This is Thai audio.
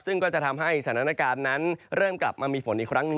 ซึ่งก็จะทำให้สถานการณ์นั้นเริ่มกลับมามีฝนอีกครั้งหนึ่ง